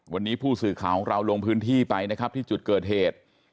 วันนี้ผู้สื่อข่าวของเราลงพื้นที่ไปนะครับที่จุดเกิดเหตุ